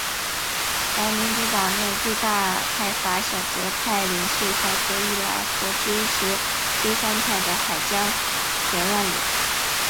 而民主党内最大派阀小泽派领袖小泽一郎则支持鸠山派的海江田万里。